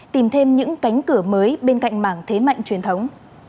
tìm thêm những cánh cửa mới bên cạnh mảng thế mạnh truyền thống